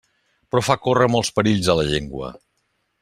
Però fa córrer molts perills a la llengua.